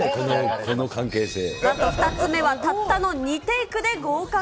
なんと２つ目はたったの２テイクで合格。